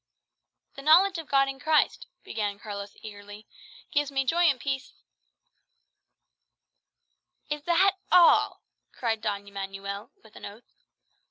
"The knowledge of God in Christ," began Carlos eagerly, "gives me joy and peace " "Is that all?" cried Don Manuel with an oath.